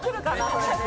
それで。